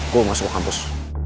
gue masuk ke kampus